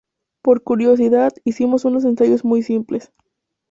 Por curiosidad hicimos unos ensayos muy simples.